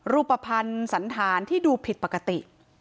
รูปภัณฑ์สันธารที่ดูผิดปกติ